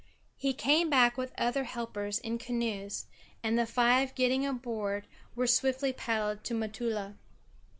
He came back with other helpers in canoes, and the five getting aboard were swiftly paddled to Motutala.